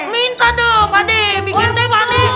minta dong pak de